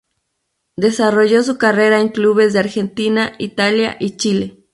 Desarrolló su carrera en clubes de Argentina, Italia y Chile.